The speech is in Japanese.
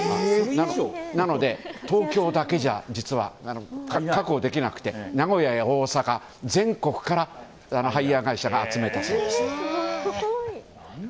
なので、東京だけじゃ実は確保できなくて名古屋や大阪、全国からハイヤー会社が集めたそうです。